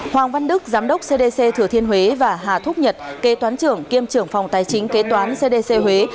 hoàng văn đức giám đốc cdc thừa thiên huế và hà thúc nhật kế toán trưởng kiêm trưởng phòng tài chính kế toán cdc huế